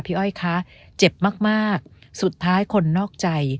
อ้อยคะเจ็บมากสุดท้ายคนนอกใจ